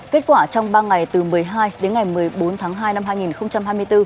kết quả trong ba ngày từ một mươi hai đến ngày một mươi bốn tháng hai năm hai nghìn hai mươi bốn